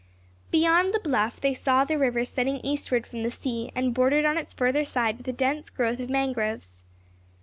Beyond the bluff they saw the river setting eastward from the sea, and bordered on its further side with a dense growth of mangroves.